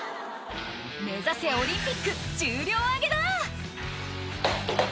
目指せオリンピック重量挙げだ！